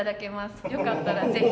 よかったらぜひ。